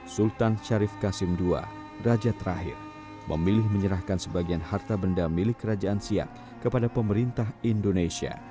sultan syarif kasim ii raja terakhir memilih menyerahkan sebagian harta benda milik kerajaan siap kepada pemerintah indonesia